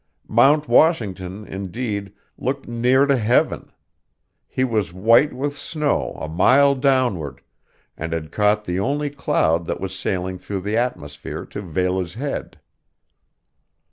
Mount Washington, indeed, looked near to heaven: he was white with snow a mile downward, and had caught the only cloud that was sailing through the atmosphere to veil his head.